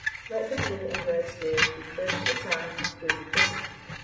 Let the blue and red squares be first examined through the prism.